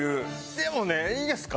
でもねいいですか？